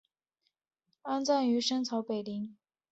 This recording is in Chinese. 安葬于深草北陵。